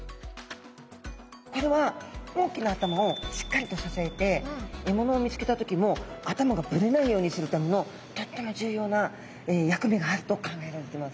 これは大きな頭をしっかりと支えて獲物を見つけた時も頭がぶれないようにするためのとっても重要な役目があると考えられてます。